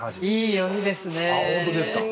いい読みですね。